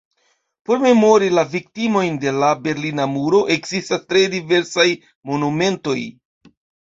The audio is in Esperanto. Por memori la viktimojn de la berlina muro ekzistas tre diversaj monumentoj.